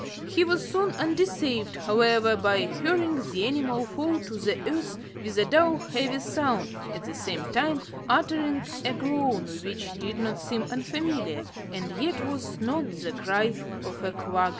He was soon undeceived, however, by hearing the animal fall to the earth with a dull heavy sound, at the same time uttering a groan, which did not seem unfamiliar, and yet was not the cry of a quagga.